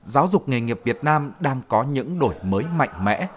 giáo dục nghề nghiệp việt nam đang có những đổi mới mạnh mẽ